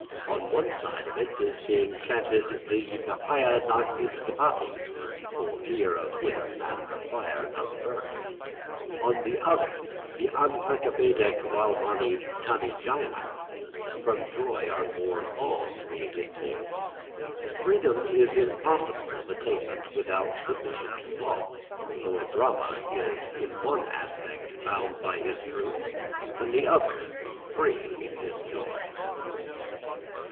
On one side of it is being chanted the Bhayādasyāgnistapati [Footnote: "For fear of him the fire doth burn," etc], on the other the Ānandādhyeva khalvimāni bhūtāni jāyante. [Footnote: "From Joy are born all created things," etc.] Freedom is impossible of attainment without submission to law, for Brahma is in one aspect bound by his truth, in the other free in his joy.